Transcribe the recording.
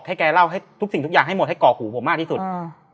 แกเล่าให้ทุกสิ่งทุกอย่างให้หมดให้ก่อหูผมมากที่สุด